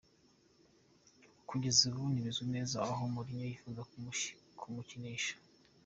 Kugeza ubu ntibizwi neza aho Mourinho yifuza kumukinisha.